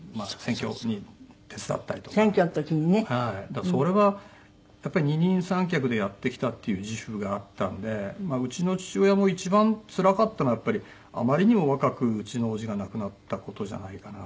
だからそれはやっぱり二人三脚でやってきたっていう自負があったのでうちの父親も一番つらかったのはやっぱりあまりにも若くうちの叔父が亡くなった事じゃないかな。